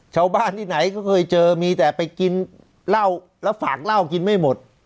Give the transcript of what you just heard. ชาวบ้านที่ไหนก็เคยเจอมีแต่ไปกินเหล้าแล้วฝากเหล้ากินไม่หมด